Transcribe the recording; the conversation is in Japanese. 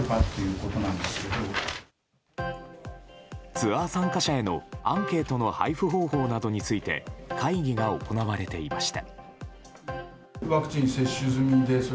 ツアー参加者へのアンケートの配布方法などについて会議が行われていました。